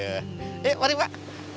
yuk mari pak